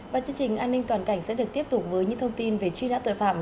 và chương trình an ninh toàn cảnh sẽ được tiếp tục với những thông tin về truy nã tội phạm